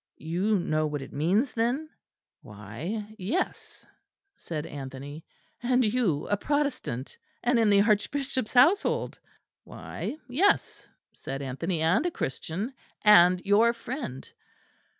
You know what it means then?" "Why, yes," said Anthony. "And you a Protestant, and in the Archbishop's household?" "Why, yes," said Anthony, "and a Christian and your friend."